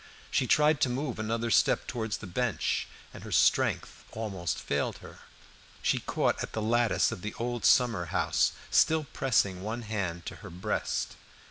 She tried to move another step towards the bench, and her strength almost failed her; she caught at the lattice of the old summer house, still pressing one hand to her breast.